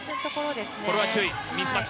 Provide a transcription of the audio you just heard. これは注意。